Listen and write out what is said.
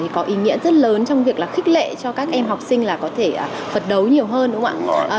có ý nghĩa rất lớn trong việc là khích lệ cho các em học sinh là có thể phấn đấu nhiều hơn đúng không ạ